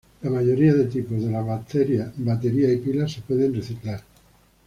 La mayoría de tipos de las baterías y pilas se pueden reciclar.